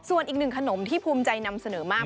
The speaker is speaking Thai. ส่วนอีกหนึ่งขนมที่ภูมิใจนำเสนอมาก